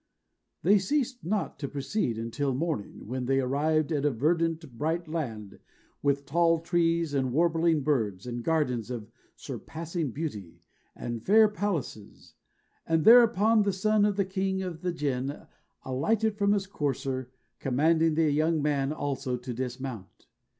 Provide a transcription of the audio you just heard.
They ceased not to proceed until morning, when they arrived at a verdant, bright land, with tall trees, and warbling birds, and gardens of surpassing beauty, and fair palaces; and thereupon the son of the king of the Jinn alighted from his courser, commanding the young man also to dismount.